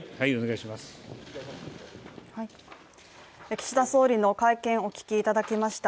岸田総理の会見、お聞きいただきました。